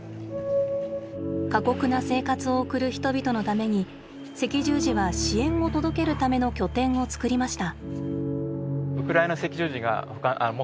過酷な生活を送る人々のために赤十字は支援を届けるための拠点をつくりました。